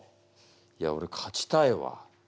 いやおれ勝ちたいわ。